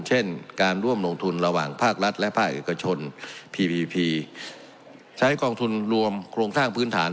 เช่นการร่วมลงทุนระหว่างภาครัฐและภาคเอกชนพีพีพีใช้กองทุนรวมโครงสร้างพื้นฐาน